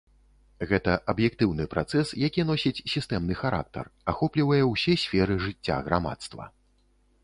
Гэта аб'ектыўны працэс, які носіць сістэмны характар, ахоплівае ўсе сферы жыцця грамадства.